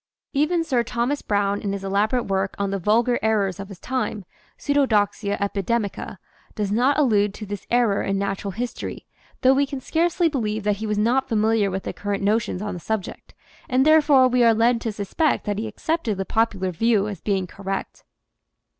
Even Sir Thomas Browne in his elaborate work on the "Vulgar Errors" of his time ( u Pseudodoxia Epidemica") does not allude to this error in natural history, though we can scarcely believe that he was not familiar with the cur rent notions on the subject, and therefore we are led to sus pect that he accepted the popular view as being correct.